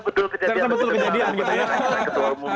betul kejadian ternyata betul kejadian gitu ya ketua bum